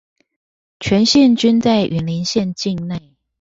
全線均在雲林縣境內